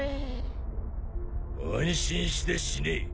安心して死ね。